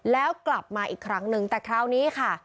แล้วกลับมาอีกครั้งนึงแต่คราวนี้ค่ะ